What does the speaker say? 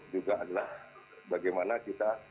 juga adalah bagaimana kita